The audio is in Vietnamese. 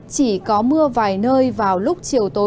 chỉ có mưa vài nơi vào lúc chiều tối